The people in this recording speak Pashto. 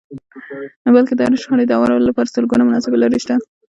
بلکې د هرې شخړې د هوارولو لپاره سلګونه مناسبې لارې شته.